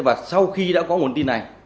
và sau khi đã có nguồn tin này